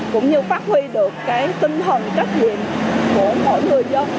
cũng như phát huy được cái tinh thần trách nhiệm của mỗi người dân